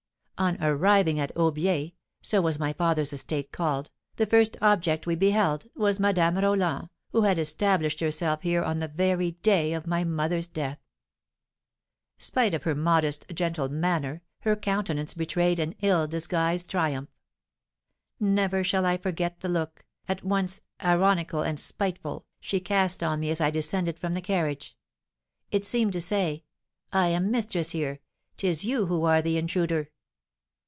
On arriving at Aubiers (so was my father's estate called), the first object we beheld was Madame Roland, who had established herself here on the very day of my mother's death. Spite of her modest, gentle manner, her countenance betrayed an ill disguised triumph; never shall I forget the look, at once ironical and spiteful, she cast on me as I descended from the carriage; it seemed to say, 'I am mistress here, 'tis you who are the intruder.'